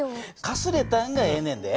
かすれたんがええねんで。